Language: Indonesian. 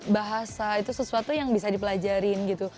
bahasa itu sesuatu yang bisa dipelajarin gitu